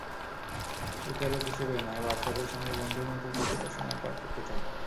বিচারক হিসেবে নয়, বাচ্চাদের সঙ্গে বন্ধুর মতো কিছুটা সময় পার করতে চাই।